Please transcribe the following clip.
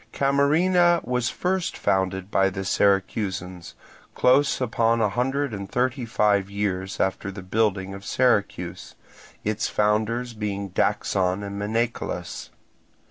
Camarina was first founded by the Syracusans, close upon a hundred and thirty five years after the building of Syracuse; its founders being Daxon and Menecolus.